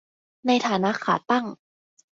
ในฐานะ 'ขาตั้ง'